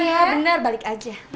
ya bener balik aja